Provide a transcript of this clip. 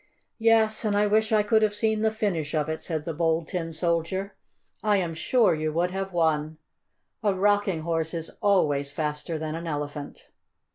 "Yes, and I wish I could have seen the finish of it," said the Bold Tin Soldier. "I am sure you would have won. A Rocking Horse is always faster than an Elephant."